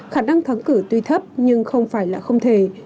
khả năng thắng cử tuy thấp nhưng không phải là không thể